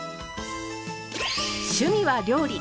趣味は料理。